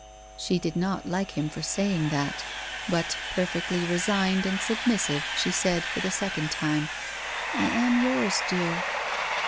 She did not like him for saying that, but, perfectly re signed and submissive, she said, for the second time :" I am yours, deai'."